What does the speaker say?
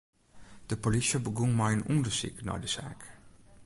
De polysje begûn mei in ûndersyk nei de saak.